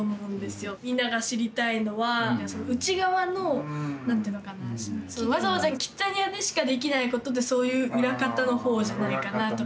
みんなが知りたいのは内側の何ていうのかなわざわざキッザニアでしかできないことでそういう裏方のほうじゃないかなとか思って。